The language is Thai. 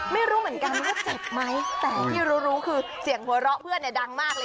อย่างอ้าวฉันก็ทำไปได้